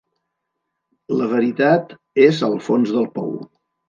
La veritat és al fons del pou.